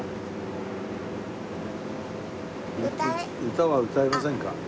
歌は歌えませんか？